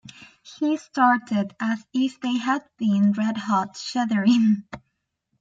He started as if they had been red hot, shuddering.